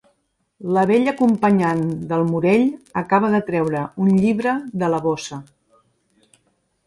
La bella acompanyant del Morell acaba de treure un llibre de la bossa.